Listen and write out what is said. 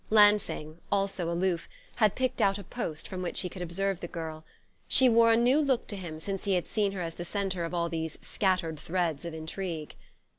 Lansing, also aloof, had picked out a post from which he could observe the girl: she wore a new look to him since he had seen her as the centre of all these scattered threads of intrigue.